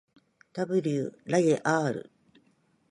ｗ らげ ｒ